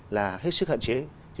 là hết sức hạn chế